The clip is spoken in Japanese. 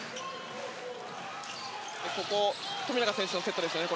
ここ富永選手のセットですよね。